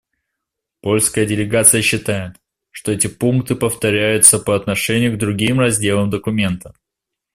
Польская делегация считает, что эти пункты повторяются по отношению к другим разделам документа.